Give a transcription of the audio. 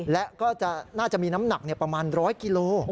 และก็น่าจะมีน้ำหนักประมาณ๑๐๐กิโล